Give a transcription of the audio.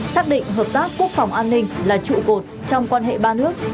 xác định hợp tác quốc phòng an ninh là trụ cột trong quan hệ ba nước